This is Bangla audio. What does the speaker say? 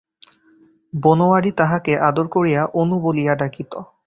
বনোয়ারি তাহাকে আদর করিয়া অণু বলিয়া ডাকিত।